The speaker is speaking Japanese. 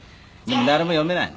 「誰も読めないの」